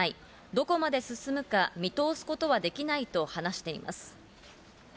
どこまで進むか見通すことはできないと話しています。